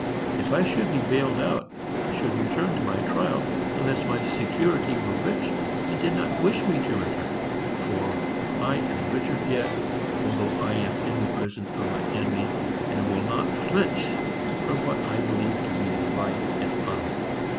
If I should be bailed out, I should return to my trial, unless my security were rich, and did not wish me to return; for I am Richard yet, although I am in the prison of my enemy, and will not flinch from what I believe to be right and honorable.